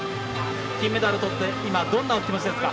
金メダルをとって今、どんなお気持ちですか？